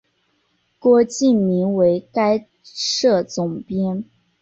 郭敬明为该社总编。